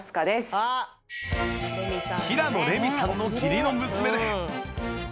平野レミさんの義理の娘で